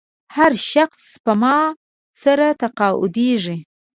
هر شخص سپما سره تقاعدېږي.